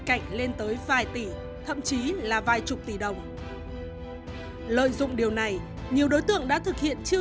cảnh lên tới vài tỷ thậm chí là vài chục tỷ đồng lợi dụng điều này nhiều đối tượng đã thực hiện chưa